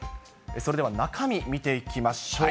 それでは、中身見ていきましょう。